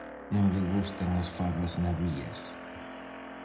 Non lle gustan as fabas nabías.